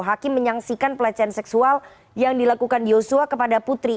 hakim menyaksikan pelecehan seksual yang dilakukan yosua kepada putri